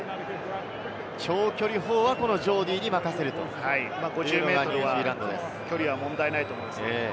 長距離砲はジョーディー５０ｍの距離は問題ないと思います。